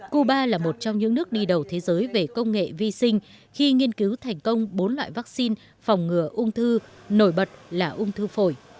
cuba là một trong những nước đi đầu thế giới về công nghệ vi sinh khi nghiên cứu thành công bốn loại vaccine phòng ngừa ung thư nổi bật là ung thư phổi